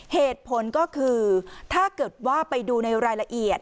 เหตุผลก็คือถ้าเกิดว่าไปดูในรายละเอียด